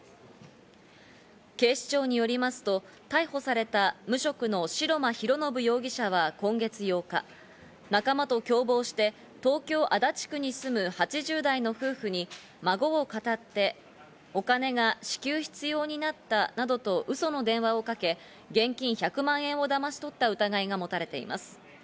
警視庁によりますと、逮捕された無職の白間広宣容疑者は今月８日、仲間と共謀して東京・足立区に住む８０代の夫婦に孫を語ってお金が至急必要になったなどとウソの電話をかけ、現金１００万円をだまし取った疑いが持たれています。